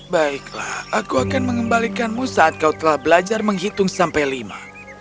baiklah aku akan mengembalikanmu saat kau telah belajar menghitung sampai lima